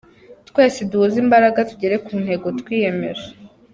Twese duhuze imbaraga tugere ku ntego twiyemeje.